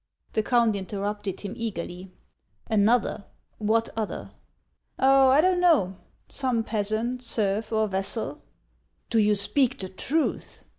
The count interrupted, him eagerly. " Another ! What other ?"" Oh, I don't know, — some peasant, serf, or vassal." "Do you speak the truth